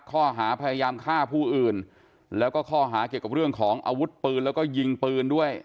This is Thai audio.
ข้อหาพยายามฆ่าผู้อื่นแล้วก็ข้อหาเกี่ยวกับเรื่องของอาวุธปืนแล้วก็ยิงปืนด้วย